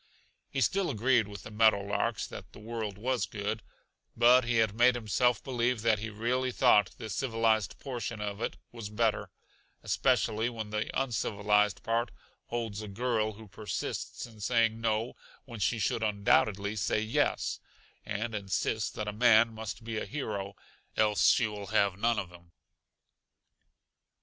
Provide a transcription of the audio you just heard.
He still agreed with the meadow larks that the world was good, but he had made himself believe that he really thought the civilized portion of it was better, especially when the uncivilized part holds a girl who persists in saying no when she should undoubtedly say yes, and insists that a man must be a hero, else she will have none of him.